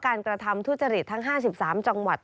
กระทำทุจริตทั้ง๕๓จังหวัด